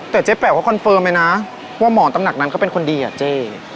แต่เจ๊แป๋วเขาคอนเฟิร์มเลยนะว่าหมอตำหนักนั้นก็เป็นคนดีอ่ะเจ๊